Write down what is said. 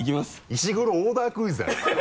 石黒オーダークイズじゃない。